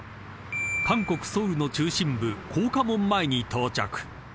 ［韓国ソウルの中心部光化門前に到着］